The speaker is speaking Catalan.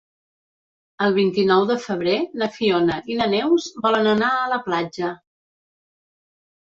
El vint-i-nou de febrer na Fiona i na Neus volen anar a la platja.